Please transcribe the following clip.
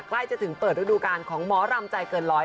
ใกล้จะถึงเปิดฤดูการของหมอรำใจเกินร้อย